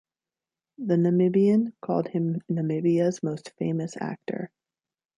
"The Namibian" called him "Namibia's most famous actor".